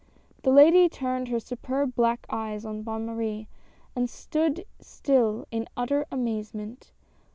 The lady turned her superb black eyes on Bonne Marie and stood still in utter amazement.